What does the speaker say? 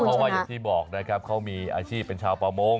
เพราะว่าอย่างที่บอกนะครับเขามีอาชีพเป็นชาวประมง